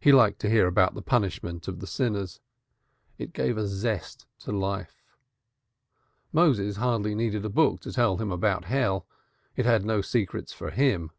He liked to hear about the punishment of the sinners; it gave a zest to life. Moses hardly needed a book to tell them about Hell. It had no secrets for him.